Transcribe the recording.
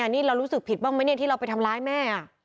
นี่เรารู้สึกผิดบ้างไหมเนี่ยที่เราไปทำร้ายแม่